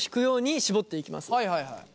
はいはいはい。